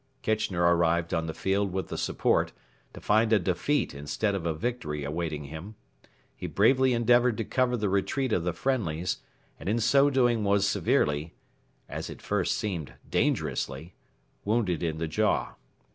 Kitchener arrived on the field with the support, to find a defeat instead of a victory awaiting him. He bravely endeavoured to cover the retreat of the friendlies, and in so doing was severely as it first seemed dangerously wounded in the jaw.